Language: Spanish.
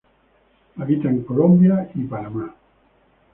Habita en Colombia y Panamá.